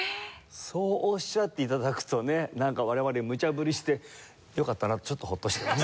そうおっしゃって頂くとねなんか我々むちゃ振りしてよかったなってちょっとホッとしてます。